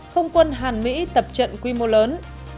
không quân hàn mỹ tập trận quy mô lớn